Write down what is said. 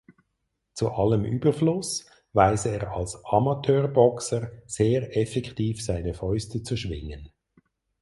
Zu allem Überfluss weiß er als Amateurboxer sehr effektiv seine Fäuste zu schwingen.